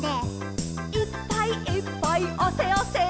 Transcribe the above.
「いっぱいいっぱいあせあせ」